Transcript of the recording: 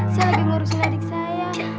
saya lagi ngurusin adik saya